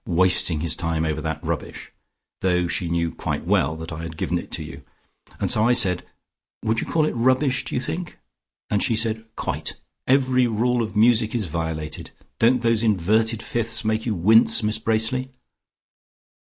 Wasting his time over that rubbish,' though she knew quite well that I had given it to you. And so I said, 'Would you call it rubbish, do you think?' and she said 'Quite. Every rule of music is violated. Don't those inverted fifths make you wince, Miss Bracely?'"